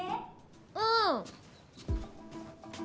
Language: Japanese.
うん。